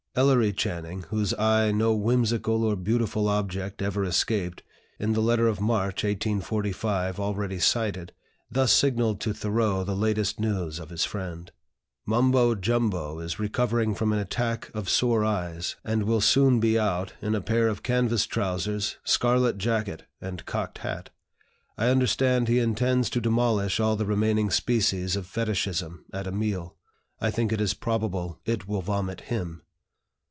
Ellery Channing, whose eye no whimsical or beautiful object ever escaped, in the letter of March, 1845, already cited, thus signaled to Thoreau the latest news of his friend: "Mumbo Jumbo is recovering from an attack of sore eyes, and will soon be out, in a pair of canvas trousers, scarlet jacket, and cocked hat. I understand he intends to demolish all the remaining species of Fetichism at a meal. I think it is probable it will vomit him."